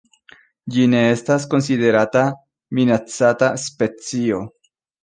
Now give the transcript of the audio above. Ĝi ne estas konsiderata minacata specio.